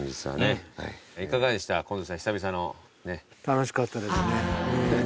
楽しかったですね。